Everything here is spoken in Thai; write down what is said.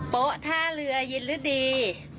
โป๊ะท่าเรือยึดหรือดี